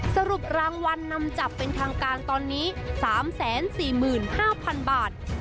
สรุปรางวัลนำจับเป็นทางการตอนนี้๓๔๕๐๐๐บาท